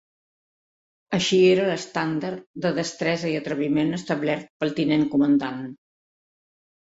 Així era l'estàndard de destresa i atreviment establert pel tinent comandant.